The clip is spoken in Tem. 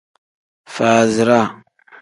Faaziraa.